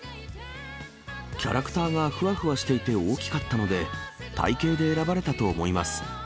キャラクターがふわふわしていて大きかったので、体型で選ばれたと思います。